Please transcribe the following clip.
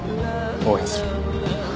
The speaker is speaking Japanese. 応援する。